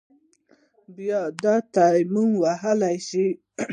بيا دې تيمم ووهل شي.